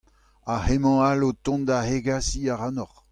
Ha hemañ all o tont da hegaziñ ac'hanoc'h.